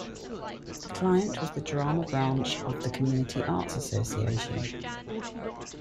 The client was the Drama Branch of the Community Arts Association.